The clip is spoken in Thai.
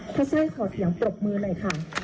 ถ้าช่วยขอเถียงปรบมือหน่อยค่ะ